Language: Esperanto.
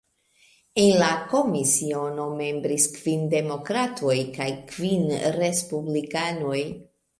En la komisiono membris kvin Demokratoj kaj kvin Respublikanoj.